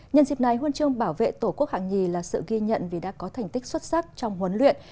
nhân dịp này huân chương bảo vệ tổ quốc hạng nhì là sự ghi nhận vì đã có thành tích xuất sắc trong huấn luyện